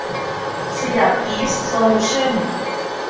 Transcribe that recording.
สยามอีสต์ โซลูชั่น